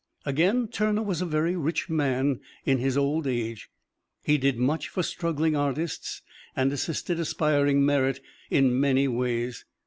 Again, Turner was a very rich man in his old age; he did much for struggling artists and assisted aspiring merit in many ways.